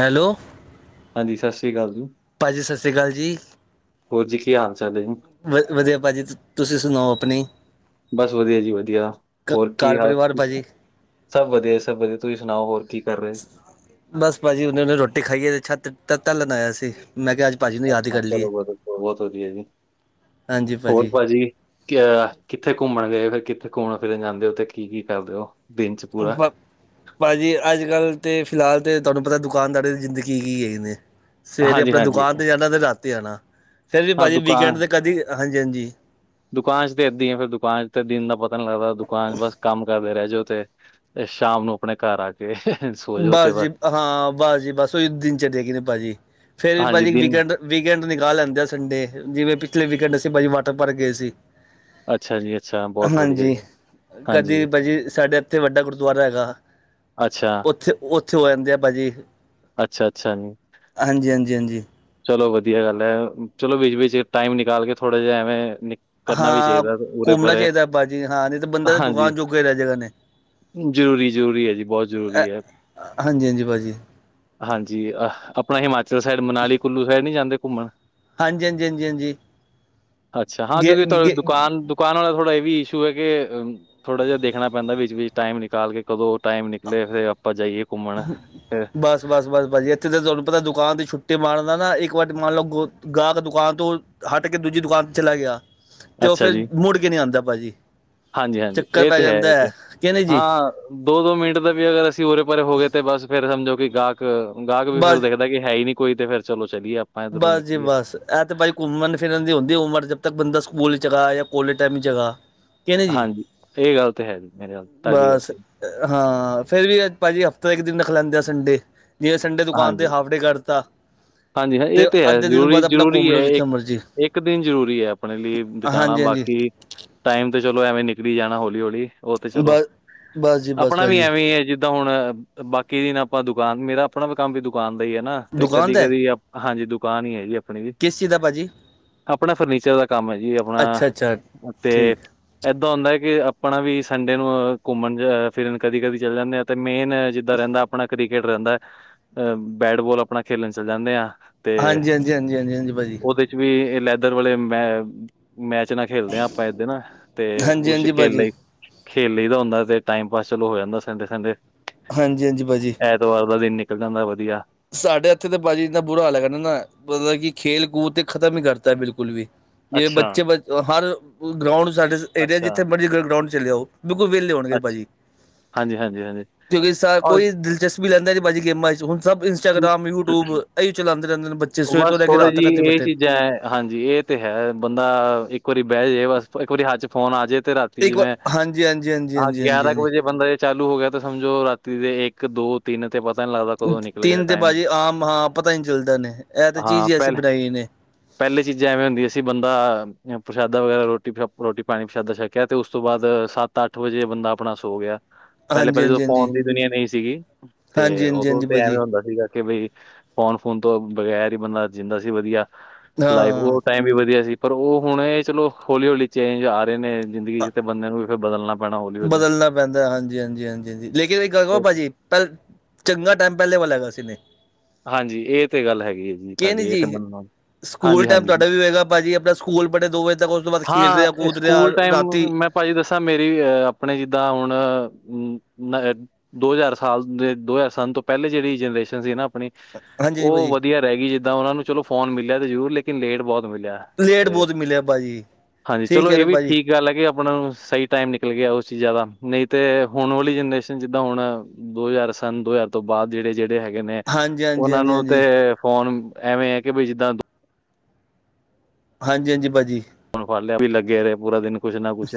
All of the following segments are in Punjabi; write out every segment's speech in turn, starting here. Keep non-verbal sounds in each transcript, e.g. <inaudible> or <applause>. ਹੈਲੋ। ਹਾਂਜੀ ਸਤਿ ਸ਼੍ਰੀ ਅਕਾਲ ਜੀ। ਭਾਜੀ ਸਤਿ ਸ਼੍ਰੀ ਅਕਾਲ ਜੀ। ਹੋਰਜੀ ਕੀ ਹਾਲ ਚਾਲੇ ਏ। ਵਧੀਆ ਭਾਜੀ ਤੁਸੀਂ ਸੁਣਾਓ ਆਪਣੀ। ਬਸ ਵਧੀਆ ਜੀ ਵਧੀਆ ਘ ਹੋਰ ਕੀ ਘਰ ਹਾਲ। ਪਰਿਵਾਰ ਭਾਜੀ ਸਭ ਵਧੀਆ ਸਭ ਵਧੀਆ ਤੁਸੀਂ ਸੁਣਾਓ ਹੋਰ ਕੀ ਕਰ‌ ਰਹੇ ਬਸ ਭਾਜੀ ਉਹਨੇ ਉਹਨੇ ਰੋਟੀ ਖਾਈਏ ਛੱਤ ਤੱਤੇ ਟਹਲਨ ਆਇਆ ਸੀ ਮੈਂ ਕਿਹਾ ਭਾਜੀ ਨੂੰ ਯਾਦ ਹੀ ਅੱਛਾ ਕਰ ਲਈਏ ਚਲੋ ਬਹੁਤ ਵਧੀਆ ਜੀ ਹੋਰ ਭਾਜੀ। ਕਿਆ ਕਿੱਥੇ ਘੁੰਮਣ ਗਏ ਫਿਰ ਕਿੱਥੇ ਘੁੰਮਣ ਫਿਰਨ ਜਾਂਦੇ ਹੋ ਤੇ ਕੀ ਕੀ ਕਰਦੇ ਹੋ? ਦਿਨ ਚ ਪੂਰਾ ਵ <inaudible> ਭਾਜੀ ਅੱਜ ਕੱਲ੍ਹ ਤੇ ਫਿਲਹਾਲ ਤੇ ਤੁਹਾਨੂੰ ਪਤੈ ਦੁਕਾਨਦਾਰੀ ਦੀ ਜ਼ਿੰਦਗੀ ਕੀ ਏ ਨੇ। ਸਵੇਰੇ ਹਾਂਜੀ ਆਪਣੇ ਹਾਂਜੀ ਦੁਕਾਨ ਤੇ ਜਾਣਾ ਤੇ ਰਾਤੀ ਆਣਾ ਫੇਰ ਵੀ ਹਾਂ ਭਾਜੀ ਵੀਕਐਂਡ ਦੁਕਾਨ ਤੇ ਕਦੀ ਹਾਂਜੀ ਹਾਂਜੀ। ਦੁਕਾਨ ਚ ਤੇ ਇੱਦਾਂ ਈ ਏ ਫੇਰ ਦੁਕਾਨ ਚ ਤੇ ਦਿਨ ਦਾ ਪਤਾ ਨਹੀਂ ਲੱਗਦਾ ਦੁਕਾਨ ਚ ਬਸ ਕੰਮ ਕਰਦੇ ਰਹਿ ਜੋ ਤੇ। ਤੇ ਸ਼ਾਮ ਨੂੰ। ਆਪਣੇ ਘਰ ਆ ਕੇ। ਸੋ ਜਾਓ ਤੇ ਬਸ ਜੀ ਹਾਂ ਬਸ ਜੀ ਬਸ ਉਹੀ ਦਿਨ <unintelligible> ਭਾਜੀ ਫੇਰ ਵੀ ਹਾਂਜੀ ਭਾਜੀ ਦਿਨ ਵੀਕਐਂਡ। ਵੀਕਐਂਡ ਦੀ ਗੱਲ ਲੈਂਦੇ ਆ ਸੰਡੇ ਜਿਵੇਂ ਪਿਛਲੇ ਵੀਕਐਂਡ ਅਸੀਂ ਭਾਜੀ ਵਾਟਰ ਪਾਰਕ ਗਏ ਸੀ। ਅੱਛਾ ਜੀ ਅੱਛਾ ਬਹੁਤ ਵਧੀਆ ਹਾਂਜੀ ਜੀ ਕਦੀ ਹਾਂਜੀ ਭਾਜੀ ਸਾਡੇ ਇੱਥੇ ਵੱਡਾ ਗੁਰਦੁਆਰਾ ਹੈਗਾ। ਅੱਛਾ ਉੱਥੇ ਉੱਥੇ ਹੋ ਆਂਦੇ ਆ ਭਾਜੀ ਅੱਛਾ-ਅੱਛਾ ਜੀ, ਹਾਂਜੀ ਹਾਂਜੀ ਹਾਂਜੀ। ਚਲੋ ਵਧੀਆ ਗੱਲ ਹੈ ਚਲੋ ਵਿੱਚ ਵਿੱਚ ਟਾਈਮ ਨਿਕਾਲ ਕੇ ਥੋੜ੍ਹਾ ਜਿਹਾ ਐਵੇਂ ਨਿਕ। ਹਾਂ ਘੁੰਮਣਾ ਚਾਹੀਦੈ ਭਾਜੀ ਹਾਂ ਨਹੀ ਤੇ ਬੰਦਾ ਤੇ ਹਾਂਜੀ, ਦੁਕਾਨ ਜੋਗਾ ਰਿਹ ਜੇਗਾ ਨੇ। ਜ਼ਰੂਰੀ ਜ਼ਰੂਰੀ ਏ ਜੀ ਬਹੁਤ ਜ਼ਰੂਰੀ ਹੈ। ਹਾਂਜੀ ਹਾਂਜੀ ਭਾਜੀ। ਹਾਂਜੀ ਅਹ ਆਪਣਾ ਹਿਮਾਚਲ ਸਾਈਡ ਮਨਾਲੀ ਕੁੱਲੂ ਸਾਈਡ ਨੀ ਜਾਂਦੇ ਘੁੰਮਣ। ਹਾਂਜੀ ਹਾਂਜੀ ਹਾਂਜੀ ਹਾਂਜੀ ਅੱਛਾ ਹਾਂ ਗੇ ਕਿਉਂਕਿ ਤੁ ਗੇ ਦੁਕਾਨ। ਦੁਕਾਨ ਵਾਲਾ ਥੋੜਾ ਇਹ ਵੀ ਇਸ਼ੂ ਐ ਕੇ ਅਮ ਥੋੜਾ ਜਿਹਾ ਦੇਖਣਾ ਪੈਂਦੈ ਵਿੱਚ ਵਿੱਚ ਟਾਈਮ ਨਿਕਾਲ ਕੇ ਕਦੋਂ। ਟਾਈਮ ਨਿਕਲੇ ਫੇਰ ਆਪਾਂ ਜਾਈਏ। ਘੁੰਮਣ, ਫਿਰ ਬਸ। ਬਸ ਬਸ ਭਾਜੀ ਇੱਥੇ ਤਾਂ ਤੁਹਾਨੂੰ ਪਤੈ ਦੁਕਾਨ ਤੇ ਛੁੱਟੀ ਮਾਰਨ ਦਾ ਨਾ ਇੱਕ ਵਾਰ ਮੰਨ ਲਓ ਗ ਗਾਹਕ ਦੁਕਾਨ ਤੋਂ। ਹਟ ਕੇ ਦੂਜੀ ਦੁਕਾਨ ਤੇ ਚਲਾ ਗਿਆ ਤੇ ਉਹ ਫੇਰ ਮੁੜ ਕੇ ਨੀ ਆਂਦਾ ਭਾਜੀ। ਹਾਂਜੀ ਹਾਂਜੀ ਚੱਕਰ ਇਹ ਪੈ ਤੇ ਹੈ ਜਾਂਦਾ ਇਹ ਤੇ ਕਿ ਨਹੀਂ ਜੀ ਹਾਂ ਦੋ ਦੋ ਮਿੰਟ ਤੇ ਵੀ ਅਗਰ ਅਸੀਂ ਉਰੇ ਪਰੇ ਹੋ ਗਏ ਤੇ ਬਸ ਫੇਰ ਸਮਝੋ ਕਿ ਗਾਹਕ ਗਾਹਕ ਵੀ ਫੇਰ ਬਸ ਦੇਖ ਕਿ ਹੈ ਈ ਨੀ ਕੋਈ ਤੇ ਫੇਰ ਚਲੋ ਚਲੀਏ ਆਪਾਂ ਇੱਧਰੋਂ ਬਸ ਜੀ ਨਿਕਲੀਏ ਬਸ ਇਹ ਤੇ ਭਾਈ ਘੁੰਮਣ ਫਿਰਨ ਦੀ ਹੁੰਦੀ ਏ ਉਮਰ ਜਦ ਤੱਕ ਬੰਦਾ ਸਕੂਲ ਚ ਗਾ ਜਾਂ ਕੋਲੇਜ ਟਾਈਮ ਚ ਗਾ ਹਾਂਜੀ ਇਹ ਗੱਲ ਤੇ ਹੈ ਜੀ ਮੇਰੇ ਨਾਲ ਤੁਹਾਡੀ ਗੱਲ ਬਸ ਸਹੀ ਹਾਂ ਫੇਰ ਵੀ ਭਾਜੀ ਹਫ਼ਤਾ ਇੱਕ ਦਿਨ ਰੱਖ ਲੇਂਦੇ ਆ ਸੰਡੇ ਜੇ ਸੰਡੇ ਦੁਕਾਨ ਤੇ ਹਾਂਜੀ, ਹਾਫ ਡੇ ਕਰ ਤਾ ਹਾਂਜੀ ਹਾਂ ਇਹ ਤੇ ਹੈ ਜ਼ਰੂਰੀ ਆਪਣਾ ਘੁੰਮ ਜ਼ਰੂਰੀ ਲਓ ਹੈ ਇਹ ਜਿੱਥੇ ਮਰਜ਼ੀ ਇੱਕ ਦਿਨ ਜ਼ਰੂਰੀ ਹੈ ਆਪਣੇ ਲਈ ਬਿਤਾਣਾ ਹਾਂਜੀ ਹਾਂਜੀ ਬਾਕੀ ਟਾਈਮ ਤੇ ਚਲੋ ਐਵੇਂ ਨਿਕਲੀ ਜਾਣਾ ਹੌਲੀ ਹੌਲੀ ਉਹ ਤੇ ਚਲੋ ਬਸ ਬਸ ਜੀ ਬਸ ਆਪਣਾ ਵੀ ਭਾਜੀ ਐਵੇਂ ਈ ਐ। ਤਾਂ ਹੁਣ ਬਾਕੀ ਦਿਨ ਆਪਾਂ ਦੁਕਾਨ ਮੇਰਾ ਆਪਣਾ ਵੀ ਕੰਮ ਵੀ ਦੁਕਾਨ ਦਾ ਹੀ ਹੈ ਨਾ ਤੇ ਕਦੇ ਕਦੀ ਕਦੀ ਹਾਂਜੀ ਦੁਕਾਨ ਹੀ ਹੈ ਜੀ ਆਪਣੀ ਵੀ ਕਿਸ ਚੀਜ਼ ਦਾ ਭਾਜੀ ਆਪਣਾ ਫਰਨੀਚਰ ਦਾ ਕੰਮ ਹੈ ਜੀ ਆਪਣਾ ਅੱਛਾ ਅੱਛਾ ਤੇ ਠੀਕ ਇਏਦਾਂ ਹੁੰਦਾ ਹੈ ਕਿ ਆਪਣਾ ਵੀ ਸੰਡੇ ਨੂੰ ਘੁੰਮਣ-ਫਿਰਨ ਕਦੀ-ਕਦੀ ਚੱਲ ਜਾਂਦੇਆ। ਤੇ ਮੇਨ ਜਿੱਦਾਂ ਰਹਿੰਦਾ ਆਪਣਾ ਕ੍ਰਿਕਟ ਰਹਿੰਦਾ ਅਹ ਬੈਟਬੋਲ ਆਪਣਾ ਖੇਲਣ ਚਲੇ ਜਾਂਦੇ ਆ। ਤੇ ਹਾਂਜੀ ਹਾਂਜੀ ਹਾਂਜੀ ਹਾਂਜੀ ਹਾਂਜੀ ਭਾਜੀ ਉਹਦੇ ਚ ਵੀ ਲੈਦਰ ਵਾਲੇ ਮੈਂ ਮੈਚ ਨਾ ਖੇਲਦੇ ਹਾਂ ਆਪਾਂ ਇਸ ਦਿਨ ਤੇ ਹਾਂਜੀ ਉਸ ਹਾਂਜੀ ਖੇਲ ਭਾਜੀ ਲਈ ਖੇਲ ਲਹੀ ਦਾ ਹੁੰਦਾ ਤੇ ਟਾਈਮ ਪਾਸ ਚਲੋ ਹੋ ਜਾਂਦਾ ਸੰਡੇ- ਸੰਡੇ। ਹਾਂਜੀ-ਹਾਂਜੀ, ਭਾਜੀ ਐਤਵਾਰ ਦਾ ਦਿਨ ਨਿਕਲ ਜਾਂਦਾ ਵਧੀਆ। ਸਾਡੇ ਇੱਥੇ ਤੇ ਭਾਜੀ ਇੰਨਾ ਬੁਰਾ ਹਾਲ ਹੈਗਾ ਨਾ ਮਤਲਬ ਕਿ ਖੇਲ-ਕੂਦ ਤੇ ਖ਼ਤਮ ਹੀ ਕਰਤਾ ਬਿਲਕੁਲ ਵੀ। ਜਿਵੇ ਅੱਛਾ ਬੱਚੇ ਹਰ ਗਰਾਉਂਡ ਸਾਡੇ ਏਰੀਆ ਹੈ ਅੱਛਾ ਜਿੱਥੇ ਮਰਜ਼ੀ ਗਰਾਉਂਡ ਤੇ ਚਲੇ ਜਾਊ। ਬਿਲਕੁਲ ਵੇਲੇ ਹੋਣਗੇ ਅੱਛਾ ਭਾਜੀ, ਹਾਂਜੀ ਹਾਂਜੀ ਹਾਂਜੀ ਕਿਉਂਕਿ ਸ ਕੋਈ ਦਿਲਚਸਬੀ ਵੀ ਲੈਂਦਾ ਜ ਭਾਜੀ ਗੇਮਾਂ ਚ ਹੁਣ ਸਭ ਇੰਟਾਗ੍ਰਾਮ, ਔਰ ਯੂਟਿਊਬ ਇਹੀ ਚਲਾਉਂਦੇ ਰਹਿੰਦੇ ਬੱਚੇ ਸਵੇਰ ਤੋਂ ਬਸ ਲੈ ਕੇ ਥੋੜ੍ਹੀ ਰਾਤ ਤੱਕ ਇਹਥੇ ਜਿਹੀ ਇਹ ਬੈੇਠੇ ਚੀਜ਼ਾਂ ਹੈ ਹਾਂਜੀ, ਇਹ ਤੇ ਹੈ ਬੰਦਾ ਇੱਕ ਵਾਰੀ ਬੈ ਜੇ ਬਸ ਇੱਕ ਵਾਰੀ ਹੱਥ ਚ ਫੋਨ ਆ ਜੇ ਤੇ ਰਾਤ ਤੀ ਇੱਕ ਵਾਰ ਇਵੇਂ ਹਾਂਜੀ ਹਾਂਜੀ ਹਾਂਜੀ ਹਾਂ, ਹਾਂਜੀ ਹਾਂਜੀ ਗਿਆਰਾਂ ਕੁ ਹਾਂਜੀ ਵਜੇ ਬੰਦਾ ਚਾਲੂ ਹੋ ਗਿਆ ਤਾਂ ਸਮਝੋ ਰਾਤੀ ਦੇ ਇੱਕ, ਦੋ, ਤਿੰਨ ਤੇ ਪਤਾ ਨੀ ਲੱਗਦਾ ਕਦੋਂ ਨਿਕਲ ਗਿਆ ਤਿੰਨ ਤੇ ਟਾਈਮ ਭਾਜ਼ੀ ਆਮ ਹਾਂ, ਪਤਾ ਹੀ ਨੀ ਚੱਲਦਾ ਨੇ ਇਹ ਤਾਂ ਚੀਜ਼ ਹਾਂ ਹੀ ਅਸੀਂ ਪਹਿਲ ਬਣਾਈ ਨੇ। ਪਹਿਲੇ ਚੀਜ਼ਾਂ ਐਵੇਂ ਹੁੰਦੀਆਂ ਸੀ ਬੰਦਾ ਪ੍ਰਸ਼ਾਦਾ ਵਗੈਰਾ ਰੋਟੀ, ਰੋਟੀ ਪਾਣੀ ਪ੍ਰਸ਼ਾਦਾ ਛਕ ਕਹਿ ਤੇ ਉਸ ਤੋਂ ਬਾਅਦ ਸੱਤ-ਅੱਠ ਵਜੇ ਬੰਦਾ ਆਪਣਾ ਸੋ ਗਿਆ ਹਾਂਜੀ ਪਹਿਲੇ-ਪਹਿਲੇ ਜਦੋਂ ਹਾਂਜੀ ਹਾਂਜੀ ਫੋਨ ਦੀ ਦੁਨੀਆਂ ਨਹੀਂ ਸੀਗੀ ਤੇ ਹਾਂਜੀ ਹਾਂਜੀ ਉਹਦੋਂ ਹਾਂਜੀ ਤੇ ਭਾਜੀ ਐਵੇਂ ਸੀਗਾ ਕਿ ਬਈ ਫੋਨ-ਫੋਨ ਤੋਂ ਬਗ਼ੈਰ ਹੀ ਬੰਦਾ ਜਿੰਦਾ ਸੀ ਵਧੀਆ। ਲਾਈਫ ਹਾਂ ਉਹ ਟਾਈਮ ਵੀ ਵਧੀਆ ਸੀ। ਪਰ ਉਹ ਹੁਣ ਚਲੋ ਹੌਲੀ-ਹੌਲੀ ਚੇਂਜ ਆ ਰਹੇ ਨੇ ਜ਼ਿੰਦਗੀ ਚ ਬੰਦੇ ਨੂੰ ਵੀ ਫਿਰ ਬਦਲਣਾ ਪੈਣਾ ਹੌਲੀ-ਹੌਲੀ। ਬਦਲਣਾ ਪੈਂਦਾ ਹਾਂਜੀ-ਹਾਂਜੀ-ਹਾਂਜੀ, ਹਾਂ ਲੇਕਿਨ ਇਕ ਗੱਲ ਭਾਜੀ ਪਹਿ ਚੰਗਾ ਟਾਈਮ ਪਹਿਲੇ ਵਾਲਾ ਹੈਗਾ ਸੀਨੇ। ਹਾਂਜੀ, ਇਹ ਤੇ ਗੱਲ ਹੈਗੀ ਹੈ ਜੀ ਨੀ ਤੁਹਾਡੇ ਇਹ ਤੇ ਜੀ ਮੰਨ ਨਾਲ ਸਕੂਲ ਟਾਈਮ ਤੁਹਾਡਾ ਵੀ ਹੋਏਗਾ ਭਾਜੀ ਆਪਣਾ ਸਕੂਲ ਬੇ ਦੋ ਵਜੇ ਤੱਕ ਉਸ ਤੋਂ ਬਾਅਦ ਖੇਡ ਹਾਂ ਰਿਹਾ ਇਹ ਕੂਦ ਰਿਹਾ ਸਕੂਲ ਟਾਈਮ ਰਾਤੀ ਮੈਂ ਭਾਜੀ ਦੱਸਾਂ ਮੇਰੀ ਅਹ ਆਪਣੇ ਜਿੱਦਾਂ ਹੁਣ ਅ ਦੋ ਹਜ਼ਾਰ ਸਾਲ ਦੇ ਦੋ ਹਜ਼ਾਰ ਸਨ ਤੋਂ ਪਹਿਲੇ ਜਿਹੜੀ ਜਨਰੇਸ਼ਨ ਸੀ ਨਾ ਆਪਣੀ ਹਾਂਜੀ ਹਾਂਜੀ ਉਹ ਭਾਜੀ ਵਧੀਆ ਰਹਿ ਗਈ ਜਿੱਦਾਂ ਉਹਨਾ ਨੂੰ ਚਲੋ ਫੋਨ ਮਿਲਿਆ ਤੇ ਜ਼ਰੂਰ, ਲੇਕਿਨ ਲੇਟ ਬਹੁਤ ਮਿਲਿਆ। ਲੇਟ ਤੇ ਬਹੁਤ ਮਿਲਿਆ ਭਾਜੀ ਹਾਂਜੀ ਠੀਕ ਚਲੋ ਕਹਿ ਇਹ ਰੇ ਵੀ ਭਾਜੀ। ਠੀਕ ਗੱਲ ਹੈ ਕਿ ਆਪਣਾ ਨੂੰ ਸਹੀ ਟਾਈਮ ਨਿਕਲ ਗਿਆ ਉਸ ਚ ਜਿਹਦਾ ਨਹੀਂ ਤੇ ਹੁਣ ਵਾਲੀ ਜਨਰੇਸ਼ਨ ਜਿੱਦਾਂ ਹੁਣ ਦੋ ਹਜ਼ਾਰ ਸਨ ਦੋ ਹਜ਼ਾਰ ਤੋਂ ਬਾਦ ਜਿਹੜੇ ਹੈਗੇ ਨੇ ਹਾਂਜੀ ਹਾਂਜੀ ਉਹਨਾਂ ਹਾਂਜੀ ਨੂੰ ਹਾਂਜੀ ਤੇ ਫੋਨ ਐਵੇਂ ਹੈ ਕਿ ਬਈ ਜਿੱਦਾਂ ਹਾਂਜੀ-ਹਾਂਜੀ, ਭਾਜੀ ਉਹਨੂੰ ਫੜ ਲਿਆ ਬਈ ਲੱਗੇ ਰਹੇ ਪੂਰਾ ਦਿਨ ਕੁਛ ਨਾ ਕੁਛ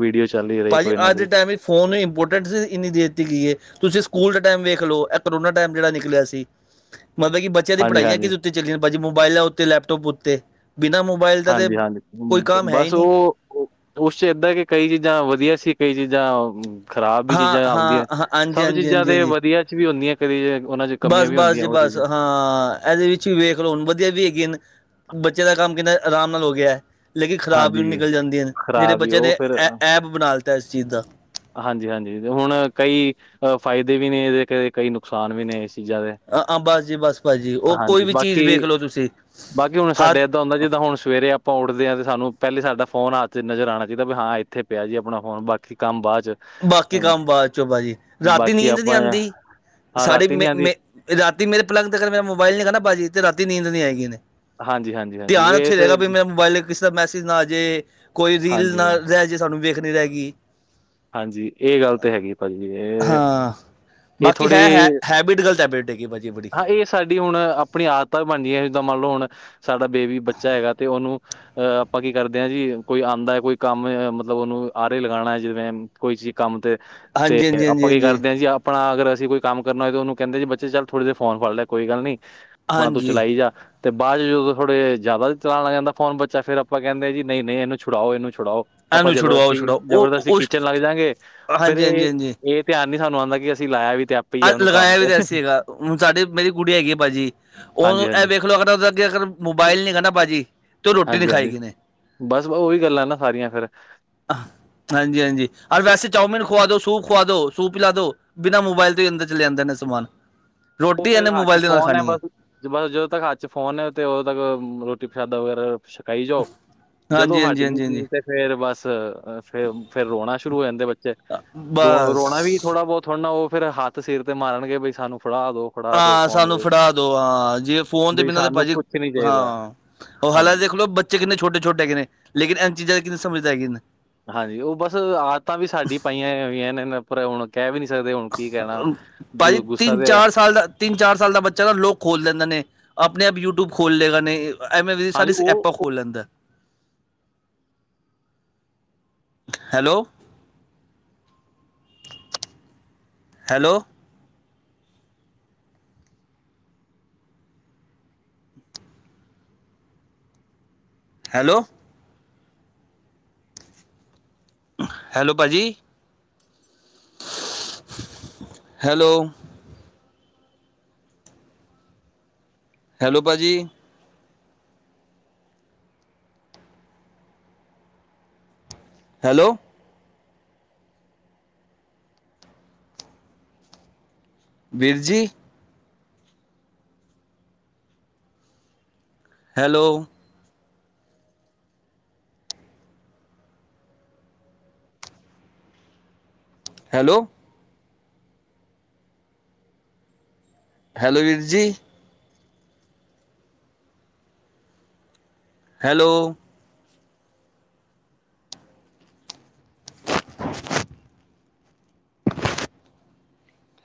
ਵੀਡੀਓ ਚੱਲ ਹੀ ਰਹੀ। ਭਾਜੀ ਕੋਈ ਨਾ ਅੱਜ ਦੇ ਕੋਈ ਟੈਮ ਵਿੱਚ ਫੋਨ ਨੂੰ ਇੰਪੋਰਟੈਂਸ ਇੰਨੀ ਦੇਤੀ ਗਈ ਏ ਤੂਸੀ ਸੂਕੂਲ ਦੇ ਟੈਮ ਵੇਖ ਲੋ, ਏ ਕਰੋਨਾ ਟੈਮ ਜੇੜਾ ਨਿਕਲੇਆ ਸੀ ਮਤਲਬ ਕਿ ਬਚ ਬੱਚਿਆ ਦੀ ਹਾਂਜੀ ਪਢਾਈਆਂ ਹਾਂਜੀ ਕਿਦੇ ਉੱਤੇ ਚੱਲੀਆਂ ਨੇ ਭਾਜੀ ਮੋਬਾਇਲਾਂ ਉੱਤੇ, ਲੈਪਟੋਪ ਉੱਤੇ ਬਿਨਾਂ ਮੋ ਹਾਂਜੀ-ਹਾਂਜੀ, ਬਸ ਓ ਉਸ ਚ ਏਦਾਂ ਕਿ ਕਈ ਚੀਜਾਂ ਵਧੀਆ ਸੀ, ਕਈ ਚੀਜਾਂ ਖ਼ਰਾਬ ਵੀ ਹਾਂ ਚੀਜਾਂ ਹਾਂ ਆਉਂਦੀਆਂ, ਹਾਂ ਹਾਂਜੀ ਸਬ ਹਾਂਜੀ ਚੀਜਾਂ ਹਾਂਜੀ ਤੇ ਹਾਂਜੀ ਵਦੀਆ ਚ ਵੀ ਹੁੰਦੀਆਂ। ਕਦੀ ਜੇ ਓਨਾਂ ਚ ਕਮੀਆਂ ਵੀ ਹੁੰਦੀਆਂ ਓ ਚੀਜ। ਏਦੇ ਵਿੱਚ ਵੀ ਵੇਖ ਲਓ ਹੁਣ ਵਦੀਆ ਵੀ ਹੈਗੀਆਂ ਨ, ਬੱਚੇਆਂ ਦਾ ਕੰਮ ਕਿੰਨਾ ਅਰਾਮ ਨਾਲ ਹੋ ਗਿਆ। ਲੇਕਿਨ ਖਰਾਬ ਵੀ ਹਾਂਜੀ ਨਿਕਲ ਜਾਂਦੀਆਂ ਨ, ਜੇੜੇ ਖਰਾਬ ਹੀ ਬੱਚੇਆਂ ਉਹ ਨੇ ਐ ਐਪ ਬਨਾ ਲਿਤਾ ਇਸ ਚੀਜ ਦਾ। ਹਾਂਜੀ-ਹਾਂਜੀ, ਹੁਣ ਕਈ ਫਾਇਦੇ ਵੀ ਨੇ ਇਦੇ, ਕਈ ਨੁਕਸਾਨ ਵੀ ਨੇ ਇਸ ਚੀਜਾਂ ਦੇ। ਆ ਬਸ ਜੀ ਬਸ ਭਾਜੀ, ਓ ਕੋਈ ਹਾਂਜੀ ਵੀ ਬਾਕੀ ਚੀਜ਼ ਵੇਖਲੋ ਤੂਸੀ ਹ ਐਦਾਂ ਹੁੰਦਾ ਜਿੱਦਾਂ ਹੁਣ ਸਵੇਰੇ ਆਪਾਂ ਉਠਦੇ ਹਾਂ, ਤੇ ਸਾਨੂੰ ਪ੍ਹੈਲੇ ਸਾਡਾ ਫੋਨ ਹਥ ਚ ਨਜਰ ਆਣਾ ਚਾਈਦਾ ਵੀ ਹਾਂ ਇੱਥੇ ਪਿਆ ਜੀ, ਆਪਣਾ ਫੋਨ ਬਾਕੀ ਕੰਮ ਬਾਅਦ ਚ। ਬਾਕੀ ਅਮ, ਕੰਮ ਬਾਅਦ ਚ ਭਾਅ ਜੀ, ਰਾਤੀ ਬਾਕੀ ਨੀਂਦ ਨੀ ਆਪਾਂ ਆਂਦੀ, ਹਾਂ ਸਾਡੇ ਰਾਤੀ ਮੇਂ, ਨੀ ਆਉਂਦੀ ਮੇਂ ਰਾਤੀ ਮੇਰੇ ਪਲੰਗ ਤੇ ਅਗਰ ਮੇਰਾ ਮੋਬਾਈਲ ਨੀ ਹੇਗਾ ਨਾ ਭਾਜੀ ਤੇ ਰਾਤੀ ਨੀਂਦ ਨੀ ਆਏਗੀ। ਹਾਂਜੀ, ਹਾਂਜੀ, ਹਾਂਜੀ ਧਿਆਨ ਇਹ ਓਥੇ ਤੇ ਰਹੇਗਾ। ਵੀ ਮੇਰਾ ਮੋਬਾਈਲ ਕਿਸੇ ਦਾ ਮੈਸੇਜ਼ ਨਾ ਆ ਜੇ, ਕੋਈ ਰੀਲ ਹਾਂਜੀ, ਨਾ ਰੈਹ ਜੇ ਸਾਨੂੰ ਵੇਖਨੀ ਰੇਗੀ। ਹਾਂਜੀ, ਏ ਗੱਲ ਤੇ ਹੈਗੀ ਭਾਜੀ ਏ, ਹਾਂ ਏ ਬਾਕੀ ਹੈ ਥੋੜੀ <inaudible> ਹੈਗੀ ਏ ਭਾਜੀ। ਬੜੀ ਹਾਂ ਏਹ ਸਾਡੀ ਹੁਣ ਆਪਣੀ ਆਦਤਾਂ ਵੀ ਬਨਦੀਆਂ, ਏਕ ਦਮ ਮੰਨ ਲੋ ਹੁਣ, ਸਾਡਾ ਬੇਬੀ, ਬੱਚਾ ਹੈਗਾ ਤੇ ਓਹਨੂੰ ਅ ਅਪਾਂ ਕੀ ਕਰਦੇ ਹਾਂ ਜੀ, ਕੋਈ ਆਂਦਾ ਐ, ਕੋਈ ਕਾੰਮ ਐ ਮਤਲਬ ਓਹਨੂੰ ਆਰੇ ਲਗਾਣਾ ਐ। ਜਿਵੇਂ ਕਿਸੀ ਕੰਮ ਤੇ, ਤੇ ਹਾਂਜੀ ਹਾਂਜੀ ਹਾਂਜੀ ਆਪਾਂ ਕੀ ਹਾਂਜੀ ਕਰਦੇ ਹਾਂ ਜੀ, ਆਪਣਾ ਅਗਰ ਅਸੀ ਕੋਈ ਕਾੰਮ ਕਰਨਾ ਹੋਏ ਤੇ ਓਹਨੂੰ ਕੈਂਦੇ ਜੀ ਬੱਚੇ ਚੱਲ ਥੋੜੀ ਦੇਰ ਫੋਨ ਫੜ ਲੇ, ਕੋਈ ਗੱਲ ਨੀ ਅਪਣਾ ਤੂੰ ਹਾਂਜੀ ਚਲਾਈ ਜਾ ਤੇ ਬਾਦ ਚ ਜਦੋਂ ਥੋੜੇ ਜਾਦਾ ਚਲਾਨ ਲੱਗ ਜਾਂਦਾ ਫੋਨ ਬੱਚਾ, ਫੇਰ ਅਪਾਂ ਕੈਂਦੇ ਆਂ ਜੀ ਨਹੀਂ, ਨਹੀਂ ਏਨੂੰ ਛੁਡਾਓ, ਏਨੂੰ ਛੁਡਾਊ। ਆਪਾਂ ਇਹਨੂੰ ਛੁਡਵਾਓ ਜਬਰਦਸਤੀ, ਛੁਡਾਓ ਉਹ ਜਬਰਦਸਤੀ ਉਸ ਖਿਚਨ ਲੱਗ ਜਾਂਗੇ ਫੇਰ ਹਾਂਜੀ ਹਾਂਜੀ ਏ, ਹਾਂਜੀ ਏ ਧਿਆਨ ਨੀ ਸਾਨੂੰ ਆਂਦਾ। ਕਿ ਅਸੀ ਲਾਏਆ ਵੀ ਤੇ ਆਪ ਆ ਲਗਾਏਆ ਵੀ ਤੇ ਅਸੀ ਹੈਗਾ, ਹੁਨ ਸਾਡੀ, ਮੇਰੀ ਗੁਡੀਆ ਹੈਗੀ ਐ, ਭਾਜੀ ਹਾਂਜੀ ਓਨੂੰ ਏਹ ਹਾਂਜੀ ਵੇਖ ਲੋ ਅਗਰ ਓਦੇ ਅੱਗੇ ਅਗਰ ਮੋਬਾਇਲ ਨੀ ਹੈਗਾ ਨਾ ਭਾਜੀ, ਤੇ ਓ ਰੋਟੀ ਨੀ ਖਾਏਗੀੇ ਨੇ ਬੱਸ ਬਾਉ, ਓਹੀ ਗੱਲਾਂ ਨਾ ਸਾਰੀਆਂ ਫੇਰ। ਹਾਂਜੀ, ਹਾਂਜੀ ਅਰ ਵੈਸੇ ਚਾਔਮਿਨ ਖੁਵਾ ਦੋ, ਸੂਪ ਖਵਾ ਦੋ, ਸੂਪ ਪਿਲਾ ਦੋ ਬਿਨਾਂ ਮੋਬਾਇਲ ਅੰਦਰ ਚਲੇ ਜਾਂਦੇ ਨੇ ਸਮਾਨ, ਰੋਟੀ ਐਨੇ ਮੋਬਾਇਲ ਦੇ ਨਾਲ ਖਾਣੀ ਐ। ਬੱਸ ਜਦੋਂ ਤੱਕ ਹੱਥ ਚ ਫੋਨ ਹੈ, ਤੇ ਓਦੋਂ ਤੱਕ ਰੋਟੀ, ਪ੍ਰਸ਼ਾਦਾ ਵਗੈਰਾ ਮ਼ਕ ਖਾਈ ਜਾਓ, ਜਦੋਂ ਹਾਂਜੀ, ਹਾਂਜੀ, ਹੱਟਗੀ ਹਾਂਜੀ, ਹਾਂਜੀ ਚੀਜ ਤੇ ਫੇਰ ਬੱਸ ਫੇ, ਫੇਰ ਰੋਣਾ ਸ਼ੁਰੂ ਹੋ ਜਾਂਦੇ ਬੱਚੇ ਰੋ, ਬਸ। ਰੋਣਾ ਵੀ ਥੋੜਾ ਬੋਤ ਥੋੜਨਾ, ਓ ਫਿਰ ਹੱਥ ਸਿਰ ਤੇ ਮਾਰਨਗੇ ਬਈ ਸਾਨੂੰ ਫੜਾ ਦੋ। ਫੜਾ ਦੋ ਹਾਂ ਸਾਨੂੰ ਫੋਨ ਫੜਾ ਦੋ ਹਾਂ, ਜਿਵੇਂ ਫੋਨ ਦੇ ਬਈ ਬਿਨਾਂ ਤੇ ਸਾਨੂੰ ਭਾਜੀ, ਕੁਛ ਨੀ ਚਾਹੀਦਾ ਹਾਂ ਓ ਹਲਾਂ ਹਾਂਜੀ। ਦੇਖ ਲੋ ਬਚ ਬੱਚੇ ਕਿੰਨੇ ਛੋਟੇ, ਛੋਟੇ ਹੈਗੇ ਨੇ, ਲੇਕਿਨ ਐਨ ਚੀਜਾਂ ਦੀ ਕਿੰਨੀ ਸਮਜ ਪੈਗੀ ਨੇ। ਹਾਂਜੀ, ਓ ਬਸ ਆਦਤਾਂ ਵੀ ਸਾਡੀ ਪਾਈਆਂ ਹੋਈਆਂ ਨੇ ਪਰ ਹੁਣ ਕੈਹ ਵੀ ਨੀ ਸਕਦੇ, ਹੁਣ ਕੀ ਕੈਣਾ ਉਦੋ ਗੁੱਸਾ ਤੇ ਤਿੰਨ ਚਾਰ ਸਾਲ ਦਾ ਬੱਚਾ ਤਾ ਲੋਕ ਖੋਲ ਲੈਂਦਾ ਨੇ, ਆਪਨੇ ਆਪ ਯੂਟਿਊਬ ਖੋਲ ਲੇਗਾ ਨੇ ਐਵੇਂ ਮੇਰੀ ਹਾਂਜੀ ਸਾਰੀ ਉਹ ਐਪਾਂ ਖੋਲ ਲੈਂਦੈ। ਹੈਲੋ। ਹੈਲੋ। ਹੈਲੋ। ਹੈਲੋ, ਭਾਜੀ। ਹੈਲੋ। ਹੈਲੋ, ਭਾਜੀ। ਹੈਲੋ। ਵੀਰ ਜੀ। ਹੈਲੋ। ਹੈਲੋ। ਹੈਲੋ, ਵੀਰ ਜੀ। ਹੈਲੋ। <unintelligible>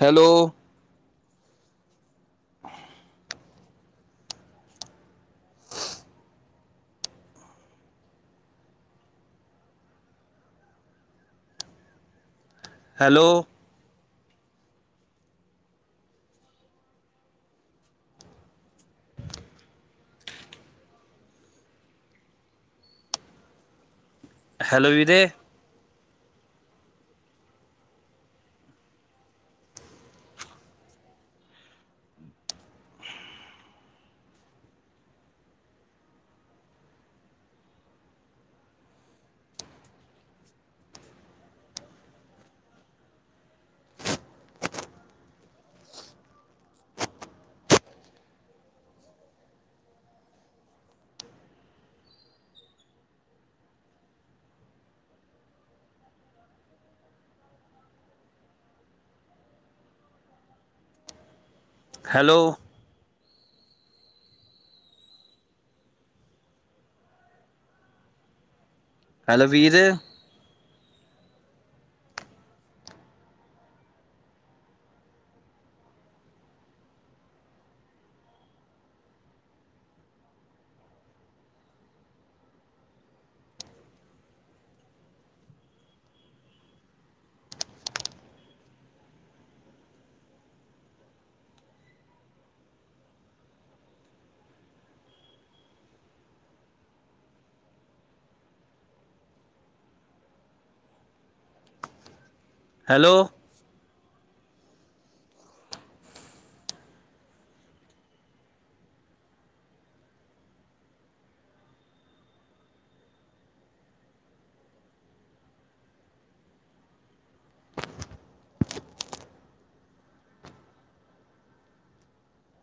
ਹੈਲੋ ਹੈਲੋ ਹੈਲੋ ਵੀਰੇ ਹੈਲੋ ਹੈਲੋ ਵੀਰ ਹੈਲੋ